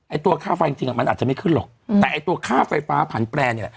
ตัวค่าไฟจริงอ่ะมันอาจจะไม่ขึ้นหรอกแต่ไอ้ตัวค่าไฟฟ้าผันแปรเนี่ยแหละ